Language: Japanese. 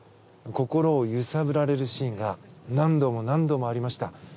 心を揺さぶられるシーンが何度も何度もありました。